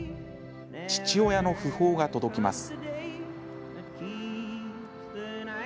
父親の訃報が届きます。